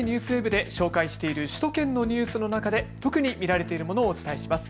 ＮＨＫＮＥＷＳＷＥＢで紹介している首都圏のニュースの中で特に見られているものをお伝えします。